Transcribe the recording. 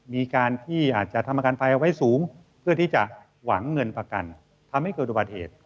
มีการที่อาจจะทำประกันภัยเอาไว้สูงเพื่อที่จะหวังเงินประกันทำให้เกิดอุบัติเหตุ